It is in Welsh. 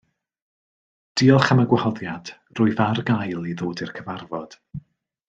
Diolch am y gwahoddiad, rwyf ar gael i ddod i'r cyfarfod.